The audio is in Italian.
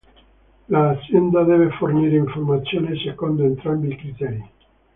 L'azienda deve fornire informazioni secondo entrambi i criteri.